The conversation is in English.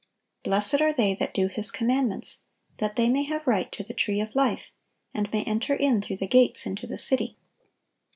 (948) "Blessed are they that do His commandments, that they may have right to the tree of life, and may enter in through the gates into the city.